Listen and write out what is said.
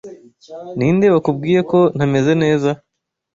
Ninde wakubwiye ko ntameze neza?